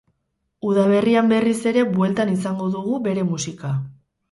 Udaberrian berriz ere bueltan izango dugu bere musika.